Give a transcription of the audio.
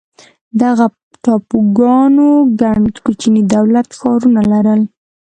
دغه ټاپوګانو ګڼ کوچني دولت ښارونه لرل.